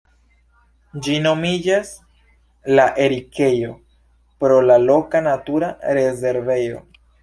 Ĝi nomiĝas "La Erikejo" pro la loka natura rezervejo.